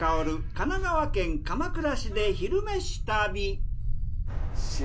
神奈川県鎌倉市で「昼めし旅」。